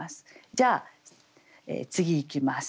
じゃあ次いきます。